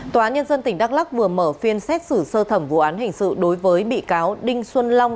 tòa án nhân dân tỉnh đắk lắc vừa mở phiên xét xử sơ thẩm vụ án hình sự đối với bị cáo đinh xuân long